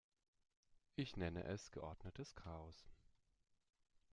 Ich nenne es geordnetes Chaos.